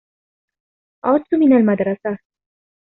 عدت من المدرسة.